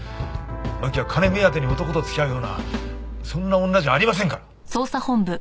マキは金目当てに男と付き合うようなそんな女じゃありませんから。